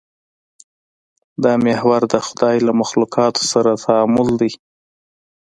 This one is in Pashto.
دا محور د خدای له مخلوقاتو سره تعامل دی.